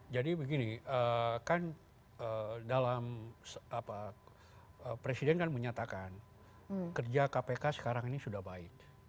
jadi begini kan dalam presiden kan menyatakan kerja kpk sekarang ini sudah baik